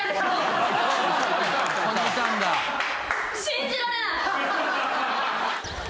信じられない。